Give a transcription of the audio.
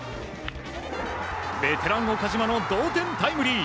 ベテラン、岡島の同点タイムリー。